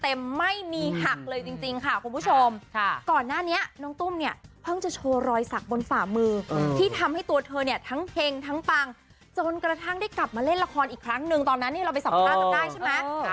ไม่มีหักเลยจริงค่ะคุณผู้ชมก่อนหน้านี้น้องตุ้มเนี่ยเพิ่งจะโชว์รอยสักบนฝ่ามือที่ทำให้ตัวเธอเนี่ยทั้งเฮงทั้งปังจนกระทั่งได้กลับมาเล่นละครอีกครั้งนึงตอนนั้นเราไปสัมภาษณ์จำได้ใช่ไหม